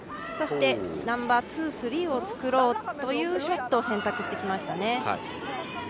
そしてナンバーツー、スリーを作ろうというショットを選択してきましたね。